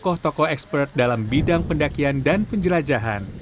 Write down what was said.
ada tokoh tokoh ekspert dalam bidang pendakian dan penjelajahan